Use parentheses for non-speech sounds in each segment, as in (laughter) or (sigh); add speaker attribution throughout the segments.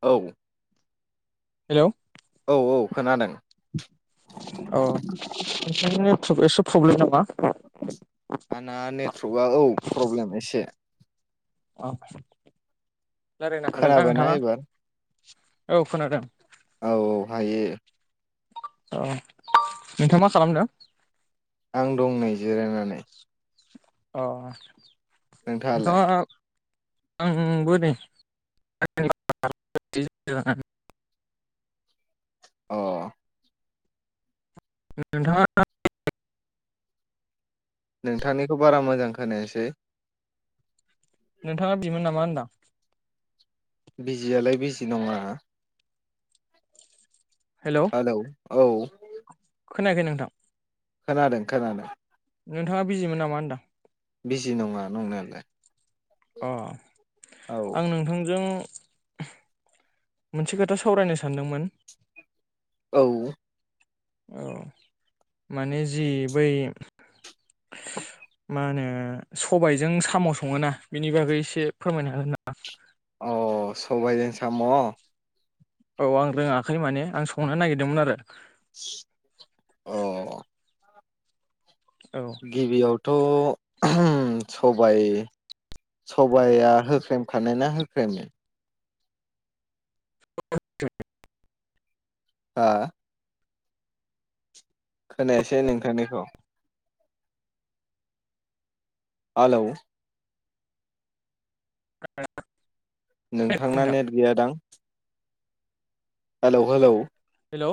Speaker 1: औ
Speaker 2: हेलौ
Speaker 1: औ औ खोनादों
Speaker 2: अ (inaudible) (unintelligible)
Speaker 1: आंना नेटवर्कआ औ प्रब्लेम एसे
Speaker 2: अ रायलायनो हागोन ना
Speaker 1: खोनाबायना
Speaker 2: नोंथाङा
Speaker 1: एबार
Speaker 2: औ खोनादों
Speaker 1: औ-औ हायो।
Speaker 2: औ नोंथाङा मा खालामदों?
Speaker 1: आं दं नै जिरायनानै
Speaker 2: अ
Speaker 1: नोंथाङालाय
Speaker 2: नोंथाङा आ आंबो नै (unintelligible)
Speaker 1: अ
Speaker 2: नोंथाङा
Speaker 1: नोंथांनिखौ बारा मोजां खोनायासै
Speaker 2: नोंथाङा दिमोन नामा होनदां?
Speaker 1: बिजियालाय बिजि नङा। हेलौ औ
Speaker 2: खोनायाखै नोंथां
Speaker 1: खोनादों-खोनादों
Speaker 2: नोंथाङा बिजिमोन नामा होनदां?
Speaker 1: बिजि नङा नंनायालाय।
Speaker 2: अ
Speaker 1: औ
Speaker 2: आं नोंथांजों मोनसे खोथा सावरायनो सानदोंमोन।
Speaker 1: औ
Speaker 2: औ माने जि बै मा होनो सबायजों साम' सङोना बेनि बागै एसे फोरमायनो हागोन नामा?
Speaker 1: अ सबायजों साम'
Speaker 2: औ आं रोङाखै माने आं संनो नागिरदोंमोन आरो।
Speaker 1: अ
Speaker 2: औ
Speaker 1: गिबियाव थ' (unintelligible) सबाय-सबाया होख्रेमखानाय ना होख्रेमि।
Speaker 2: (inaudible)
Speaker 1: आ खोनायासै नोंथांनिखौ हेल'
Speaker 2: (inaudible)
Speaker 1: नोंथांना
Speaker 2: नोंथां
Speaker 1: नेट गैया दां (inaudible) हेलौ हेलौ
Speaker 2: हेल'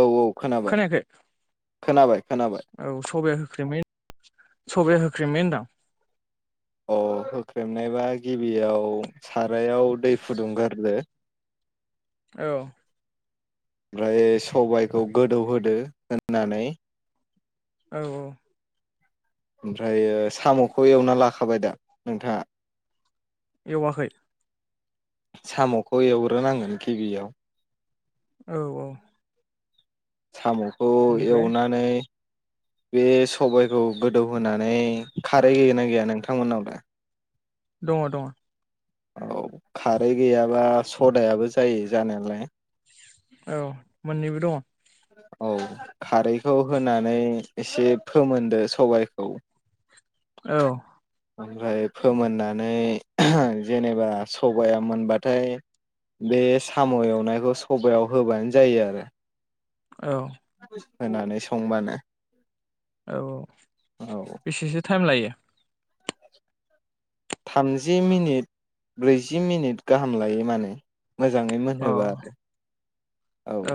Speaker 1: औ-औ खोनाबाय। खोनाबाय। खोनाबाय
Speaker 2: औ सबाया होख्रेमै। सबाया होख्रेमै होनदां।
Speaker 1: अ होख्रेमनायबा गिबियाव सारायाव दै फुदुंगोरदो।
Speaker 2: औ।
Speaker 1: ओमफ्राय सबायखौ गोदौहोदो होननानै
Speaker 2: औ औ।
Speaker 1: ओमफ्रायो साम'खौ एवना लाखाबाय दा नोंथाङा।
Speaker 2: एवाखै।
Speaker 1: साम'खौ एवग्रोनांगोन गिबियाव।
Speaker 2: औ औ।
Speaker 1: साम। खौ
Speaker 2: बिनिफ्राय
Speaker 1: एवनानै। बे सबायखौ गोदौहोनानै खारै गैगोन ना गैया नोंथांमोननावलाय
Speaker 2: दङ दङ।
Speaker 1: औ खारै गैयाबा सदायाबो जायो जानायालाय
Speaker 2: औ मोननैबो दङ।
Speaker 1: औ खारैखौ होनानै एसे फोमोनदो सबायखौ
Speaker 2: औ औ
Speaker 1: ओमफ्राय फोमोननानै जेनेबा सबाया मोनबाथाय बे साम' एवनायखौ सबायाव होबानो जायो आरो।
Speaker 2: औ।
Speaker 1: होनानै संबानो।
Speaker 2: औ
Speaker 1: औ
Speaker 2: बेसेसो टाइम लायो।
Speaker 1: थामजि मिनिट ब्रैजि मिनिट गाहाम लायो मानो। मोजाङै
Speaker 2: अ
Speaker 1: मोनहोब्ला आरो औ।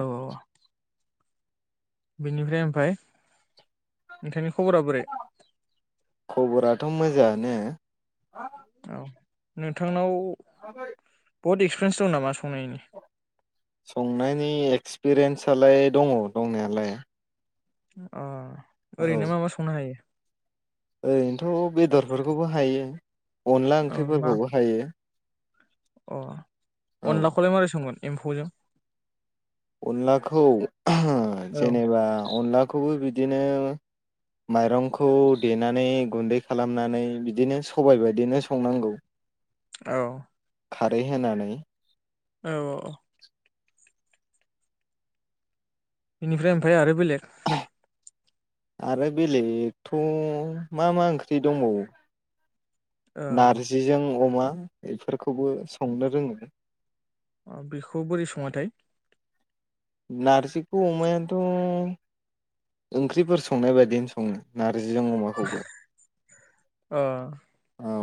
Speaker 2: बेनिफ्राय ओमफ्राय नोंथांनि खबरा बोरै
Speaker 1: खबराथ' मोजांङानो।
Speaker 2: औ नोंथांनाव।
Speaker 1: (unintelligible)
Speaker 2: बहुत एक्सपिरियेन्स दं नामा संनायनि।
Speaker 1: संनायनि एक्सपिरियेन्सलाय दङ दंनायालाय
Speaker 2: अ।
Speaker 1: औ
Speaker 2: ओरैनो मा मा संनो हायो।
Speaker 1: ओरैनोथ' बेदरफोरखौबो हायो। अनला
Speaker 2: औ मा
Speaker 1: ओंख्रिफोरखौबो हायो।
Speaker 2: अ
Speaker 1: औ
Speaker 2: अनलाखौलाय माबोरै संगोन। एम्फैजों।
Speaker 1: अनलाखौ। ओ
Speaker 2: औ
Speaker 1: जेनेबा अनला खौबो बिदिनो माइरंखौ देनानै गुन्दै खालामनानै बिदिनो सबाय बायदिनो संनांगौ
Speaker 2: औ।
Speaker 1: खारै होनानै
Speaker 2: औ औ औ। बेनिफ्राय ओमफ्राय आरो बेलेग
Speaker 1: आरो बेलेगथ' मा मा ओंख्रि दंबावो
Speaker 2: ओ
Speaker 1: नारजिजों अमा (unintelligible) बेफोरखौबो संनो रोङो
Speaker 2: अ' बेखौ बोरै सङाथाय
Speaker 1: नारजिखौ अमायानोथ' ओंख्रिफोर संनाय बायदिनो सङो नार (unintelligible) (unintelligible) जिजों अमाखौबो
Speaker 2: ओ
Speaker 1: औ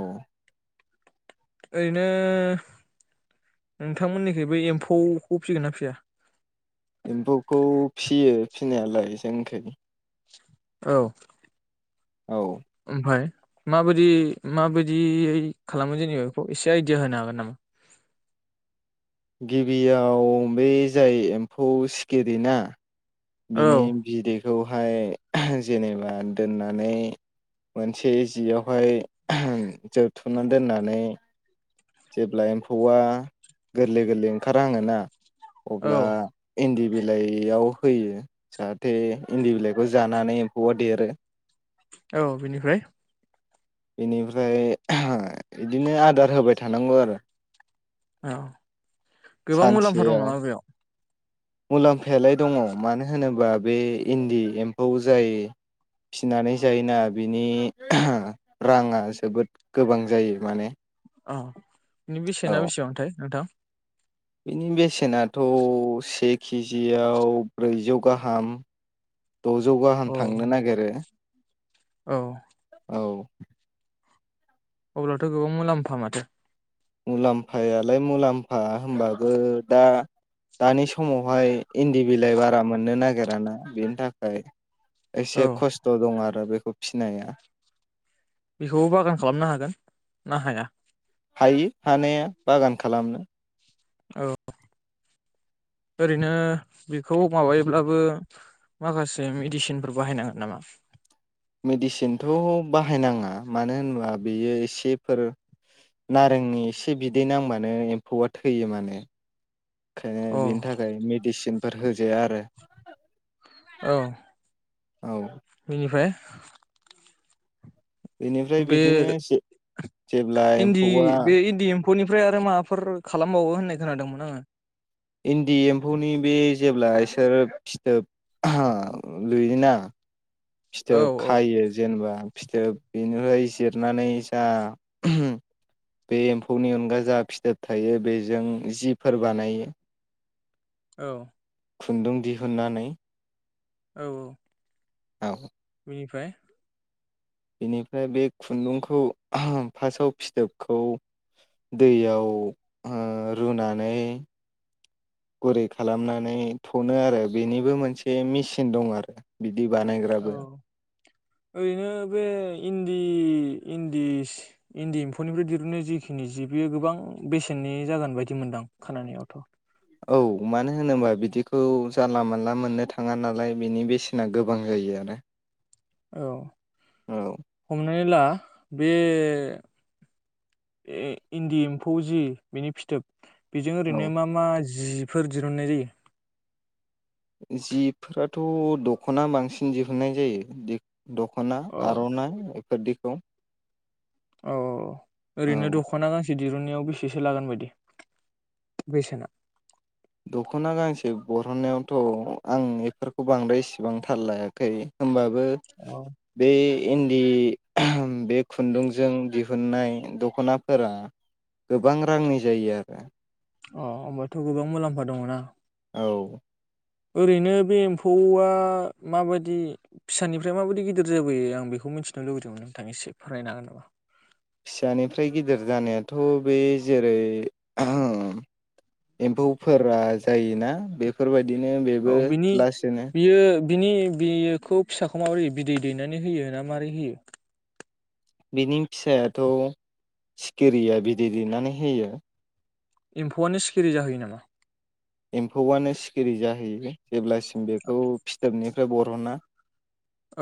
Speaker 2: ओरैनो नोंथांमोननिखैबो एम्फौखौ फिसिगोन ना फिसिया
Speaker 1: एम्फौखौ फिसियो फिनायालाय जोंनिखै
Speaker 2: औ
Speaker 1: औ
Speaker 2: ओमफाय माबायदि माबायदियै खालामो जेनेबा बेखौ एसे आइदिया होनो हागोन नामा?
Speaker 1: गिबियाव बे जाय एम्फौ सिखिरि ना
Speaker 2: औ
Speaker 1: बिनि बिदै (unintelligible) खौहाय जेनेबा दोननानै मोनसे जियावहाय जोबथुमनानै दोननानै जेब्ला एम्फौवा गोरलै गोरलै ओंखार हाङोना।
Speaker 2: औ
Speaker 1: अब्ला इन्दि बिलाइयाव होयो जाहाथे इन्दि बिलाइखौ जानानै एम्फौआ देरो
Speaker 2: औ बिनिफ्राय
Speaker 1: बेनिफ्राय बिदिनो आदार होबाय थानांगौ आरो
Speaker 2: औ गोबां मुलाम्फा दं
Speaker 1: सानसेयाव
Speaker 2: नामा बेयाव
Speaker 1: मुलाम्फायालाय दङ मानो होनोबा बे इन्दि एम्फौ जाय फिनानै जायोना बिनि (unintelligible) राङा जोबोद गोबां जायो माने
Speaker 2: अ' बिनि
Speaker 1: औ
Speaker 2: बेसेना बेसेबांथाय नोंथां?
Speaker 1: बिनि बेसेनाथ' से के जि याव ब्रैजौ गाहाम द'जौ गाहाम
Speaker 2: अ
Speaker 1: थांनो नागिरो
Speaker 2: औ
Speaker 1: औ
Speaker 2: अब्लाथ' गोबां मुलाम्फा माथो
Speaker 1: मुलाम्फायालाय मुलाम्फा होमबाबो दा दानि समावहाय इन्दि बिलाइ बारा मोननो नागिरा ना बेनि थाखाय।
Speaker 2: औ
Speaker 1: एसे खस्थ' दं आरो बे (unintelligible) (unintelligible) खौ फिनाया
Speaker 2: बेखौबो बागान खालामनो हागोन ना हाया?
Speaker 1: हायो हानाया बागान खालामनो।
Speaker 2: औ ओरैनो बेखौ माबायोब्लाबो माखासे मेडिसिनफोर बाहायनांगोन नामा?
Speaker 1: मेडिसिनथ' बाहायनाङा मानो होनबा बेयो एसेफोर नारेंनि एसे बिदै नांबानो एम्फौआ थैयो माने। ओंखायनो
Speaker 2: अ
Speaker 1: बेनि थाखाय मेडिसिन (unintelligible) फोर होजाया आरो।
Speaker 2: औ
Speaker 1: औ
Speaker 2: बेनिफ्राय
Speaker 1: बेनिफ्राय बिदिनो जे-जेब्ला एम्फौआ
Speaker 2: (unintelligible) निफ्राय आरो माबाफोर खालामबावो होननाय खोनादोंमोन आङो
Speaker 1: इन्दि एम्फौनि बे जेब्ला इसोरो फिथोब लुयोना
Speaker 2: औ
Speaker 1: फिथोब खायो जेनेबा फिथोब बेनिफ्राय जिरनानै जा बे एम्फौनि अनगा जा फिथोब थायो बेजों जिफोर बानायो
Speaker 2: औ
Speaker 1: खुन्दुं दिहुननानै
Speaker 2: औ
Speaker 1: औ
Speaker 2: बेनिफ्राय
Speaker 1: बेनिफ्राय बे खुन्दुंखौ फार्स्टआव फिथोबखौ दैयाव रुनानै गुरै खालामनानै थनो आरो बेनिबो मोनसे मेसिन दं आरो बिदि बानायग्राबो
Speaker 2: औ ओरैनो बे इन्दि इन्दि इन्दि एम्फौनिफ्राय दिरुनो जिखिनि जि बेयो गोबां बेसेननि जागोन बायदि मोनदां खोनायावथ'
Speaker 1: औ मानो होनोबा बिदिखौ जानला मोनला मोननो थाङा नालाय बिनि बेसेना गोबां जायो आनो
Speaker 2: औ हमनानै ला बे इ-इन्दि एम्फौ जि बेनि फिथोब बेजों
Speaker 1: औ
Speaker 2: ओरैनो मा माजि जिफोर दिहुननाय जायो
Speaker 1: जिफोराथ' दख'ना बांसिन दिहुननाय जायो दखना
Speaker 2: औ
Speaker 1: आर'नाय (unintelligible)
Speaker 2: औ ओरैनो दख'ना गांसे दिरुननायाव बेसेसो लागोन बायदि बेसेना
Speaker 1: दख'ना गांसे बरननायावथ' आं बेफोरखौ बांद्राय इसेबां थाल लायाखै होमबाबो (unintelligible)
Speaker 2: औ
Speaker 1: बे इन्दि बे खुन्दुंजों दिहुननाय दख'नाफोरा गोबां रांनि जायो आरो
Speaker 2: अ होमबाथ' गोबां मुलाम्फा दङ ना
Speaker 1: औ
Speaker 2: ओरैनो बे एम्फौआ माबायदि फिसानिफ्राय माबायदि गिदिर जाबोयो आं बेखौ मिथिनो लुबैदोंमोन नोंथां एसे फोरमायनो हागोन नामा
Speaker 1: फिसानिफ्राय गिदिर जानायाथ' बे जेरै एम्फौफोरा जायोना बेफोरबायदि बिदिनो बेबो
Speaker 2: औ बिनि
Speaker 1: लासैनो
Speaker 2: बियो बिनि बियोखौ फिसाखौ माबोरै बिदै दैनानै होयो ना माबोरै होयो
Speaker 1: बिनि फिसायाथ' सिखिरिया बिदै दैनानै होयो
Speaker 2: एम्फौआनो सिखिरि जाहैयो नामा
Speaker 1: एम्फौआनो सिखिरि जाहैयो जेब्लासिम फ्राय बर'ना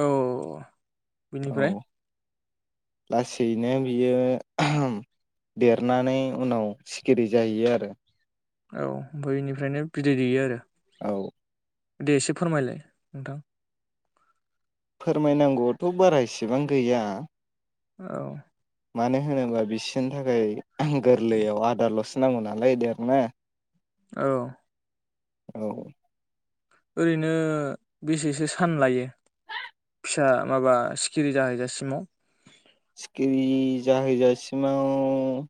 Speaker 2: औ
Speaker 1: औ
Speaker 2: बिनिफ्राय
Speaker 1: लासैनो बियो (inaudible)
Speaker 2: औ बैनिफ्रायनो बिदै दैयो आरो
Speaker 1: औ
Speaker 2: दे एसे फोरमायलाय नोंथां
Speaker 1: फोरमायनांगौआथ‌ बारा इसेबां गैया।
Speaker 2: औ
Speaker 1: मानो होनोबा बिसोरनि थाखाय गोरलैयाव आदारलसो नांगौ नालाय देरनो
Speaker 2: औ
Speaker 1: औ
Speaker 2: ओरैनो बेसेसो सान लायो? फिसा माबा सिखिरि जाहैजासिमाव
Speaker 1: सिखिरि जाहैजासिमाव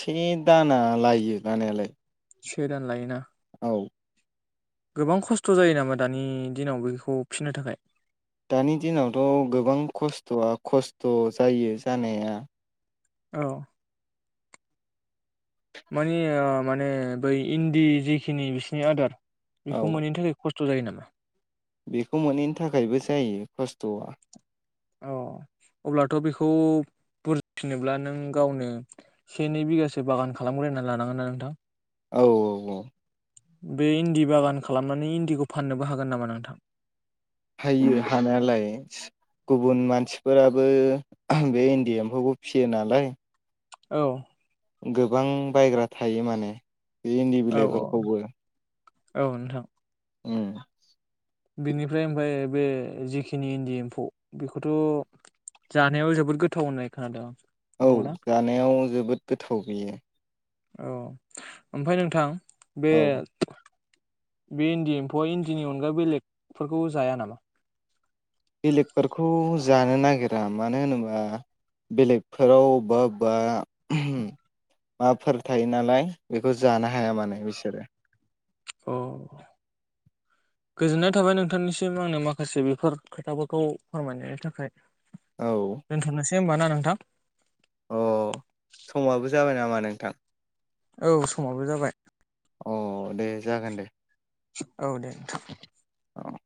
Speaker 1: से दाना लायो लानायालाय
Speaker 2: से दान लायोना
Speaker 1: औ
Speaker 2: गोबां खस्थ जायो नामा दानि दिनाव बेखौ फिनो थाखाय
Speaker 1: दानि दिनावथ गोबां खस्थआ खस्थ‌ जायो जानाया
Speaker 2: औ मानि ओ माने बै इन्दि जेखिनि बिसिनि आदार
Speaker 1: औ
Speaker 2: बेखौ मोनैनि थाखाय खस्थ थु जायो नामा
Speaker 1: बेखौ मोनैनि थाखायबो जायो खस्थआ
Speaker 2: अ अब्लाथ बेखौ बुरजा फिसिनोब्ला नों गावनो से नै बिगासो बागान खालामग्रोनानै लानांगोन ना नोंथां
Speaker 1: औ औ औ
Speaker 2: बे इन्दि बागान खालामनानै इन्दिखौ फाननोबो हागोन नामा नोंथां?
Speaker 1: हायो हानायालाय गुबुन मानसिफोराबो बे इन्दि एम्फौखौ फिसियो नालाय
Speaker 2: औ
Speaker 1: गोबां बायग्रा थायो माने बे इन्दि
Speaker 2: औ औ
Speaker 1: बिलाइफोरखौबो
Speaker 2: औ नोंथां
Speaker 1: उम
Speaker 2: बिनिफ्राय ओमफ्राय बे जिखिनि इन्दि एम्फौ बेखौथ जानायाव जोबोद गोथाव होननाय खोनादों।
Speaker 1: औ
Speaker 2: नंगौना?
Speaker 1: जानायाव जोबोद गोथाव बियो।
Speaker 2: औ ओमफ्राय नोंथां बे
Speaker 1: औ
Speaker 2: बे इन्दि एम्फौआ इन्दिनि अनगा बेलेगफोरखौ जाया नामा?
Speaker 1: बेलेगफोरखौ जानो नागिरा मानो होनोबा बेलेगफोराव अबेबा अबेबा माबाफोर थायो नालाय बेखौ जानो हाया माने बिसोरो
Speaker 2: अ गोजोननाय थाबाय नोंथांनिसिम आंनो माखासे बेफोर खोथाफोरखौ फोरमायनायनि थाखाय
Speaker 1: औ
Speaker 2: दे होमबा ना नोंथां
Speaker 1: अ समाबो जाबाय नामा नोंथां?
Speaker 2: औ समाबो जाबाय
Speaker 1: अ दे जागोन दे।
Speaker 2: औ दे नोंथां।
Speaker 1: औ